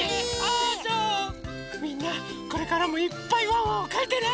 みんなこれからもいっぱいワンワンをかいてね！